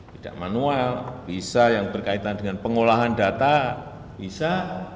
tidak manual bisa yang berkaitan dengan pengolahan data bisa